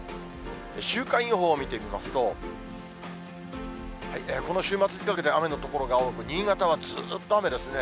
週間予報を見てみますと、この週末にかけて雨の所が多く、新潟はずーっと雨ですね。